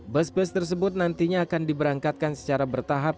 bus bus tersebut nantinya akan diberangkatkan secara bertahap